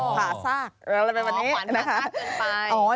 ผ่าซากอะไรแบบนี้